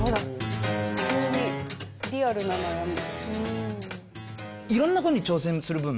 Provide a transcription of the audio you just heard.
急にリアルな悩み。